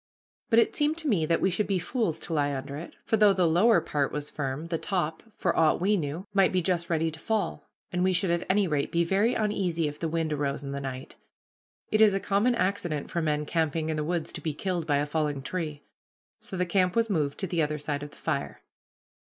But it seemed to me that we should be fools to lie under it, for though the lower part was firm, the top, for aught we knew, might be just ready to fall, and we should at any rate be very uneasy if the wind arose in the night. It is a common accident for men camping in the woods to be killed by a falling tree. So the camp was moved to the other side of the fire.